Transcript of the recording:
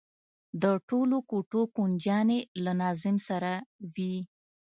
د ټولو کوټو کونجيانې له ناظم سره وي.